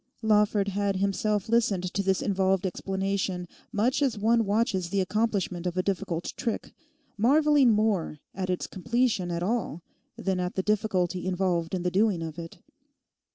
Lawford had himself listened to this involved explanation much as one watches the accomplishment of a difficult trick, marvelling more at its completion at all than at the difficulty involved in the doing of it.